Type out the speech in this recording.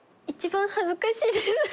一番恥ずかしいです。